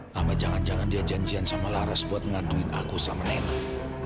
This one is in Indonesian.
sama jangan jangan dia janjian sama laras buat ngaduin aku sama nenek